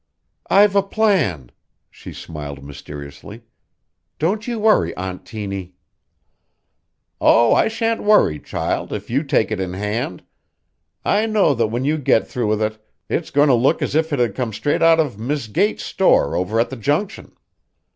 "I've a plan," she smiled mysteriously. "Don't you worry, Aunt Tiny." "Oh, I shan't worry, child, if you take it in hand. I know that when you get through with it it's goin' to look as if it had come straight out of Mis' Gates's store over at the Junction.